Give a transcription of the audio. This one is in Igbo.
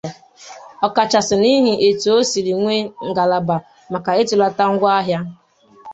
ọkachasị n'ihi etu o siri nwee ngalaba maka ịtụlata ngwaahịa